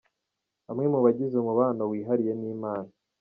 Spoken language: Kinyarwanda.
Bamwe mu bagize umubano wihariye n’Imana.